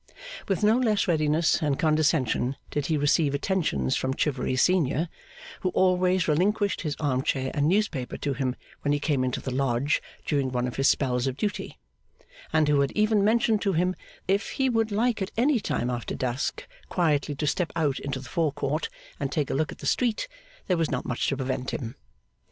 With no less readiness and condescension did he receive attentions from Chivery Senior, who always relinquished his arm chair and newspaper to him, when he came into the Lodge during one of his spells of duty; and who had even mentioned to him, that, if he would like at any time after dusk quietly to step out into the fore court and take a look at the street, there was not much to prevent him.